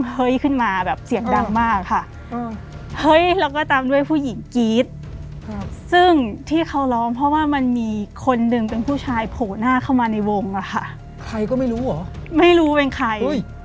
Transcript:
เฮ้ยเราก็ตามด้วยผู้หญิงกรี๊ดซึ่งที่เค้าร้องเพราะว่ามันมีคนหนึ่งเป็นผู้ชายโผล่หน้าเข้ามาในวงอ่ะค่ะใครก็ไม่รู้เหรอไม่รู้เป็นใคร